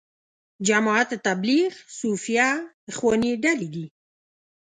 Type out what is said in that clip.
جماعت تبلیغ، صوفیه، اخواني ډلې دي.